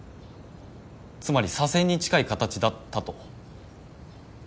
つまり左遷に近い形だったと。